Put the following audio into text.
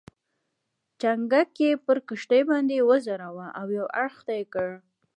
چنګک یې پر کښتۍ باندې وځړاوه او یو اړخ ته یې کړ.